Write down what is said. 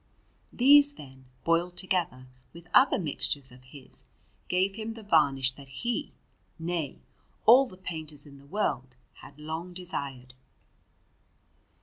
These, then, boiled together with other mixtures of his, gave him the varnish that he nay, all the painters in the world had long desired.